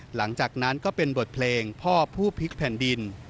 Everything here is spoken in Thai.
หลังจากนั้นก็เป็นบทเพลงพ่อผู้พลิกแผ่นดิน